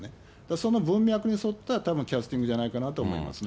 その文脈に沿ったキャスティングじゃないかなと思いますね。